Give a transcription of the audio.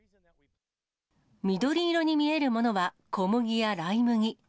緑色に見えるものは小麦やライ麦。